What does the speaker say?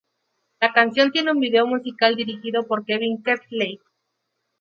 La canción tiene un video musical dirigido por Kevin Kerslake.